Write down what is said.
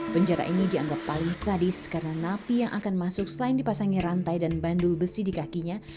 penjara ini dianggap paling sadis karena napi yang akan masuk selain dipasangi rantai dan bandul besi di kakinya